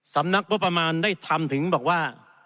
สำนักมมารได้ทำถึงบอกว่า